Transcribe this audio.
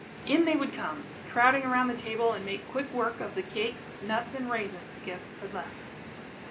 In they would come, crowding around the table, and make quick work of the cakes, nuts, and raisins the guests had left.